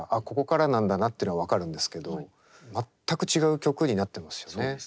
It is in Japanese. ここからなんだなっての分かるんですけど全く違う曲になってますよね。